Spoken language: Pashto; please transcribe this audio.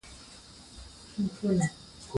که څوک د الله د نعمت نا شکري او نا قدري وکړي